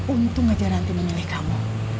untung aja nanti memilih kamu